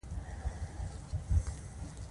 سړي ناشکن ښیښه اختراع کړې وه